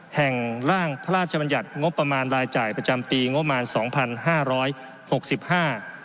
แห่งร่างพระราชบัญญัติงบประมาณรายจ่ายประจำปีงบประมาณสองพันห้าร้อยหกสิบห้า